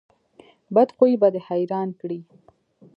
بد خوی به دې حیران کړي.